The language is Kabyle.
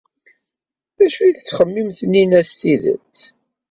D acu ay tettxemmim Taninna s tidet?